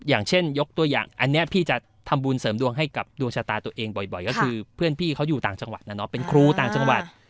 อย่างเช่นยกตัวอย่างอันนี้พี่จะทำบุญเสริมดวงให้กับดวงชะตาตัวเองบ่อยก็คือเพื่อนพี่เขาอยู่ต่างจังหวัดนะเนาะเป็นครูต่างจังหวัด